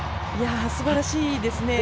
すばらしいですね。